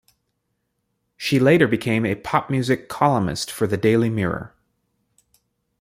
She later became a pop-music columnist for the "Daily Mirror".